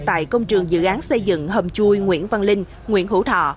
tại công trường dự án xây dựng hầm chui nguyễn văn linh nguyễn hữu thọ